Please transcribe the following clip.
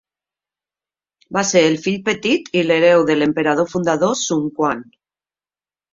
Va ser el fill petit i l'hereu de l'emperador fundador Sun Quan.